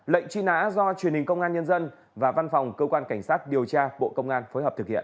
lệnh truy nã do truyền hình công an nhân dân và văn phòng cơ quan cảnh sát điều tra bộ công an phối hợp thực hiện